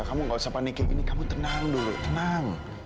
kamu gak usah panik kayak gini kamu tenang dulu tenang